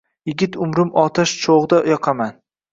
Yigit umrim otash chugda yoqaman